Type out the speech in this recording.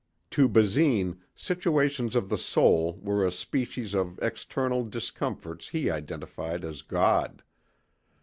To Basine, situations of the soul were a species of external discomforts he identified as God.